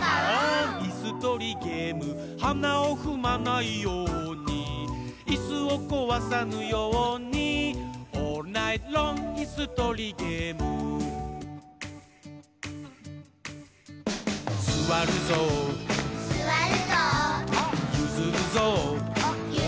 いすとりゲーム」「はなをふまないように」「いすをこわさぬように」「オールナイトロングいすとりゲーム」「すわるぞう」「ゆずるぞう」